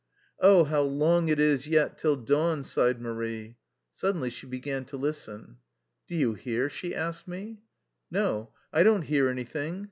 " Oh, how long it is yet till dawn !" sighed Marie. Suddenly she began to listen. " Do you hear? " she asked me. " No, I don't hear anything.